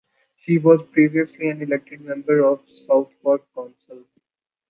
She was previously an elected member on Southwark Council.